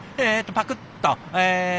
パクッと。